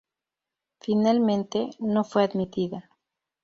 Finalmente, no fue admitida.